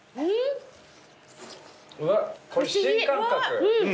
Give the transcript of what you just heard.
うわこれ新感覚。